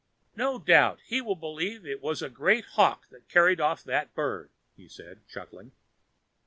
"No doubt he will believe it was a giant hawk that carried off that bird," he said, chuckling.